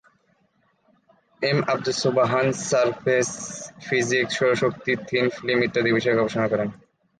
M Abdus Sobhan surface physics, সৌরশক্তি, thin film ইত্যাদি বিষয়ে গবেষণা করেন।